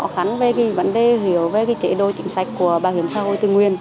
họ khẳng về vấn đề hiểu về chế đội chính sách của bảo hiểm xã hội tự nguyện